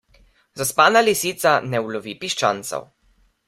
Zaspana lisica ne ulovi piščancev.